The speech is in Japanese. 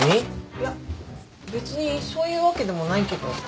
いや別にそういうわけでもないけど。